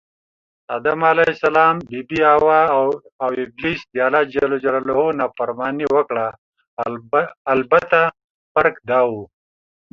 آدم ع، بي بي حوا اوابلیس دالله ج نافرماني وکړه البته فرق دا و